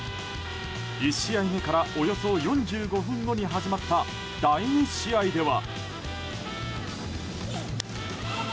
１試合目からおよそ４５分後に始まった第２試合では。